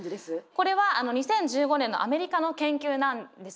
これは２０１５年のアメリカの研究なんです。